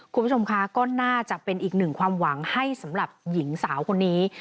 คุณผู้ชมคะก็น่าจะเป็นอีกหนึ่งความหวังให้สำหรับหญิงสาวคนนี้